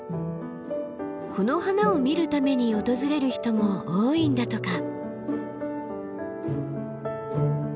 この花を見るために訪れる人も多いんだとか。